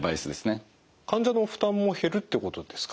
患者の負担も減るってことですか？